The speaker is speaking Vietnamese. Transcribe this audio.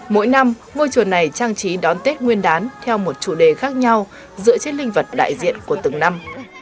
mỗi năm ngôi chùa này trang trí đón tết nguyên đán theo một chủ đề khác nhau dựa trên linh vật đại diện của từng năm